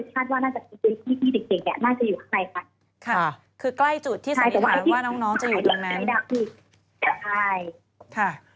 ค่ะคือกล้ายจุดที่สัญญาว่าน้องน้องจะอยู่ตรงนั้นค่ะ